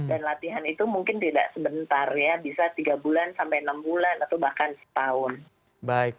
dan latihan itu mungkin tidak sebentar ya bisa tiga bulan sampai enam bulan atau bahkan setahun